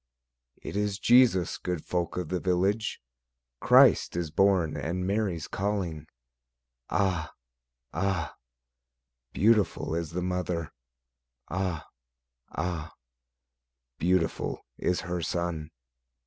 It is Jesus, good folk of the village; Christ is born, and Mary's calling; Ah! Ah! beautiful is the mother; Ah! Ah! beautiful is her son.